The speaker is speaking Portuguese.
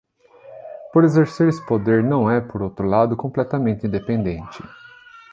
Por exercer esse poder, não é, por outro lado, completamente independente.